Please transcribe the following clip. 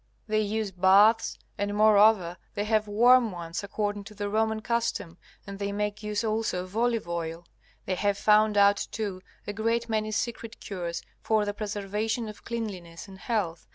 They use baths, and moreover they have warm ones according to the Roman custom, and they make use also of olive oil. They have found out, too, a great many secret cures for the preservation of cleanliness and health.